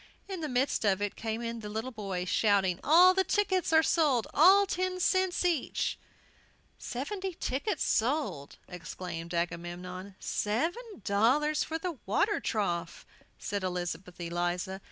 In the midst of it came in the little boys, shouting, "All the tickets are sold, at ten cents each!" "Seventy tickets sold!" exclaimed Agamemnon. "Seven dollars for the water trough!" said Elizabeth Eliza.